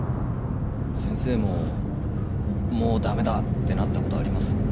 先生ももう駄目だってなったことあります？